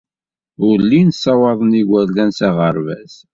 Ur llin ssawaḍen igerdan s aɣerbaz.